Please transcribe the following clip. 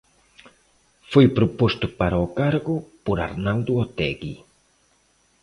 Foi proposto para o cargo por Arnaldo Otegi.